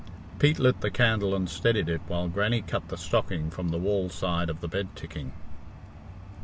Pete lit the candle and steadied it while Grannie cut the stocking from the wall side of the bed ticking.